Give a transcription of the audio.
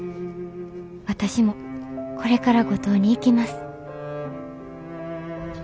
私もこれから五島に行きます」。